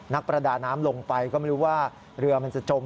นักประดาน้ำลงไปก็ไม่รู้ว่าเรือมันจะจม